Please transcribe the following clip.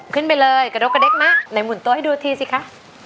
ขึ้นไปเลยกระดกกระเด็กมะไหนหุ่นตัวให้ดูทีสิคะ